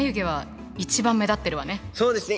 そうですね。